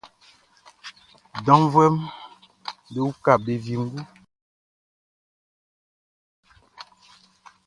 Janvuɛʼm be uka be wiengu, like kwlaa yo fɛ.